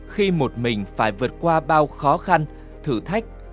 khi một mình phải vượt qua bao khó khăn thử thách